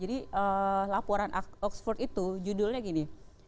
jadi laporan oxford itu judulnya begini